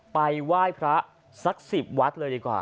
ไปไหว้พระสัก๑๐วัดเลยดีกว่า